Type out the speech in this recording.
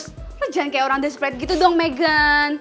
serius lo jangan kayak orang desprat gitu dong megan